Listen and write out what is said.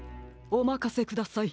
おまかせください